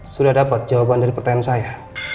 sudah dapat jawaban dari pertanyaan saya